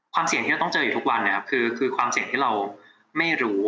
เสี่ยงที่เราต้องเจออยู่ทุกวันนะครับคือความเสี่ยงที่เราไม่รู้